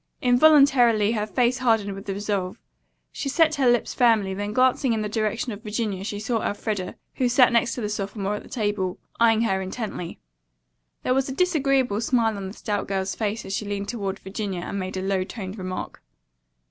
Involuntarily her face hardened with resolve. She set her lips firmly, then glancing in the direction of Virginia she saw Elfreda, who sat next to the sophomore at the table, eyeing her intently. There was a disagreeable smile on the stout girl's face as she leaned toward Virginia and made a low toned remark.